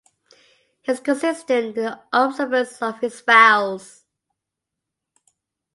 He is consistent in observance of His vows.